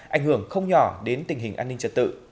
ảnh hưởng không nhỏ đến tình hình an ninh trật tự